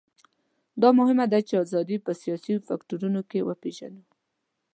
دا مهمه ده چې ازادي په سیاسي فکټورونو کې وپېژنو.